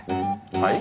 はい？